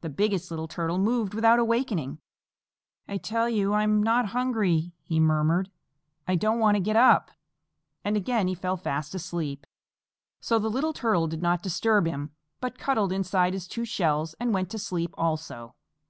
The Biggest Little Turtle moved without awakening. "I tell you I'm not hungry," he murmured. "I don't want to get up." And again he fell fast asleep. So the Slow Little Turtle did not disturb him, but cuddled inside his two shells and went to sleep also.